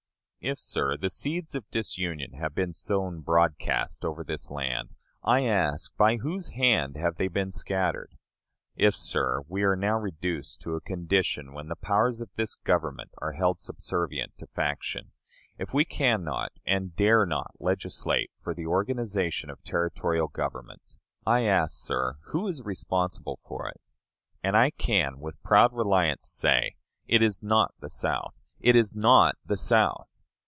If, sir, the seeds of disunion have been sown broadcast over this land, I ask by whose hand they have been scattered? If, sir, we are now reduced to a condition when the powers of this Government are held subservient to faction; if we can not and dare not legislate for the organization of territorial governments I ask, sir, who is responsible for it? And I can with proud reliance say, it is not the South it is not the South!